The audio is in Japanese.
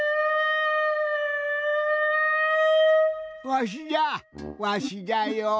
わしじゃわしじゃよ。